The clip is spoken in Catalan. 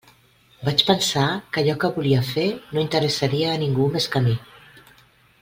Vaig pensar que allò que volia fer no interessaria a ningú més que a mi.